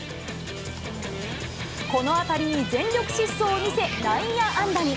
この当たりに全力疾走を見せ、内野安打に。